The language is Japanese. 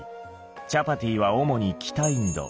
チャパティは主に北インド。